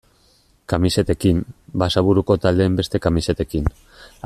Kamisetekin, Basaburuko taldeen beste kamisetekin...